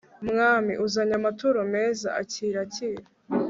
mwami, uzanye amaturo meza (akira, akira